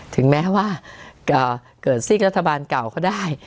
ถึงแม้ว่าเกิดซีกรัฐบาลเก่าก็ได้